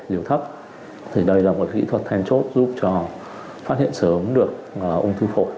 liều thấp thì đây là một kỹ thuật then chốt giúp cho phát hiện sớm được ung thư phổi